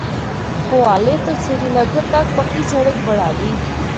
کوہالے تو سری نگر تک پکی سڑک بنڑالی۔